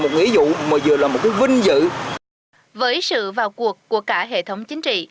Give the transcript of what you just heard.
một nghỉ dụ mà vừa là một cái vinh dự với sự vào cuộc của cả hệ thống chính trị